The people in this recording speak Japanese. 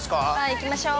◆行きましょう。